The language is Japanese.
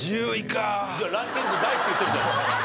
いやランキング外って言ってるじゃん。